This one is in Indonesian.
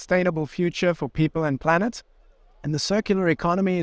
tema infinite journey yang diusung merefleksikan langkah besar dalam mewujudkan indonesia empat